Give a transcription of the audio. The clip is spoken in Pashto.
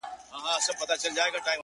له پاڼې ـ پاڼې اوستا سره خبرې وکړه!